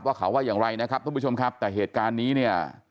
เขาว่าอย่างไรนะครับทุกผู้ชมครับแต่เหตุการณ์นี้เนี่ย